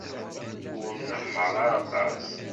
Ur nnehheṛ ara aṭas.